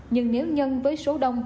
nhưng nếu nhân với số đông